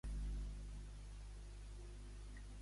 Com es definia, Mossèn?